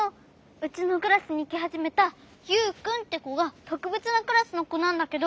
うちのクラスにきはじめたユウくんってこがとくべつなクラスのこなんだけど。